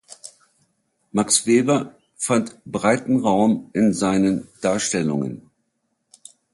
Max Weber fand breiten Raum in seinen Darstellungen.